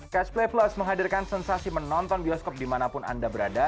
catch play plus menghadirkan sensasi menonton bioskop dimanapun anda berada